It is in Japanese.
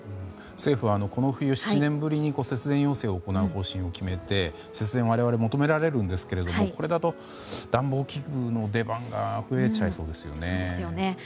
政府は、この冬７年ぶりに節電要請を行う方針を決めて節電を我々求められるんですけどもこれだと暖房器具の出番が増えちゃいそうですね。